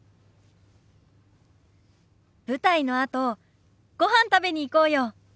舞台のあとごはん食べに行こうよ。